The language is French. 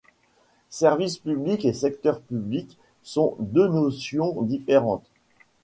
Service public et secteur public sont deux notions différentes.